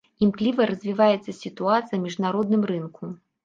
Імкліва развіваецца сітуацыя на міжнародным рынку.